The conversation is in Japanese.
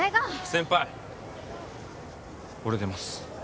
先輩俺出ます。